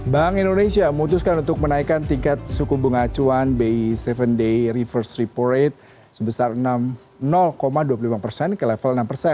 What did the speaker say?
bank indonesia memutuskan untuk menaikkan tingkat suku bunga acuan bi tujuh day reverse repo rate sebesar dua puluh lima persen ke level enam persen